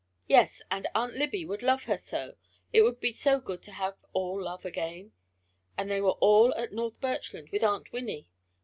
Yes, and Aunt Libby would love her so it would be so good to have all love again! And they were all at North Birchland, with Aunt Winnie.